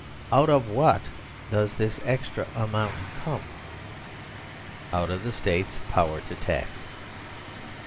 Out of what does this extra amount come ? Out of the State's power to tax.